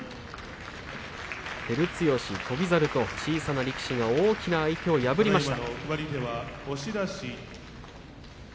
照強、翔猿と小さな力士が大きな相手を破りました。